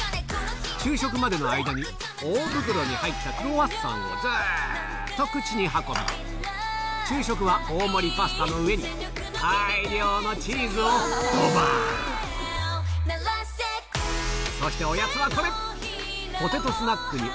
昼食までの間に大袋に入ったクロワッサンをずっと口に運び昼食は大盛りパスタの上に大量のチーズをそしておやつはこれ！